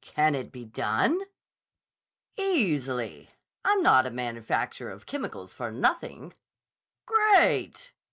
"Can it be done?" "Easily. I'm not a manufacturer of chemicals for nothing." "Great!